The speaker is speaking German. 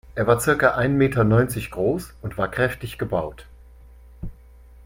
Er war circa ein Meter neunzig groß und war kräftig gebaut.